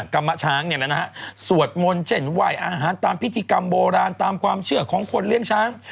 กรรมช้างสวดมนต์เช่นไหว้อาหารตามพิธีกรรมโบราณตามความเชื่อของคนเลี้ยงช้าง